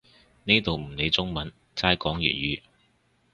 呢度唔理中文，齋講粵語